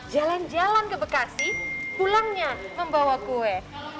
jalan jalan ke bekasi pulangnya membawa kue